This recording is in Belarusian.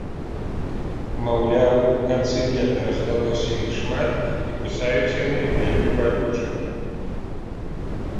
Маўляў, у канцы лета развялося іх шмат і кусаюць яны вельмі балюча.